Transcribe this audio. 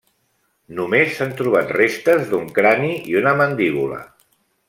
Només s'han trobat restes d'un crani i una mandíbula.